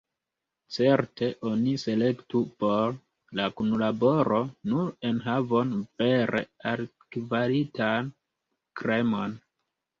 Certe, oni selektu por la kunlaboro nur enhavon vere altkvalitan, “kremon”.